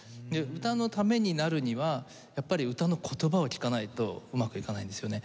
歌のためになるにはやっぱり歌の言葉を聞かないとうまくいかないんですよね。